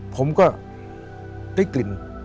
ผมก็ได้กลิ่น